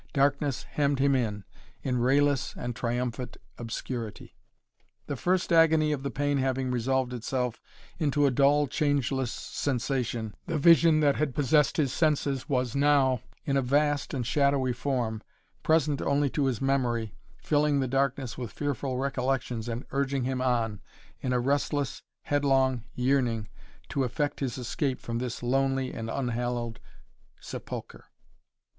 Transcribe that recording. Darkness hemmed him in, in rayless and triumphant obscurity. The first agony of the pain having resolved itself into a dull changeless sensation, the vision that had possessed his senses was now, in a vast and shadowy form, present only to his memory, filling the darkness with fearful recollections and urging him on, in a restless, headlong yearning, to effect his escape from this lonely and unhallowed sepulchre.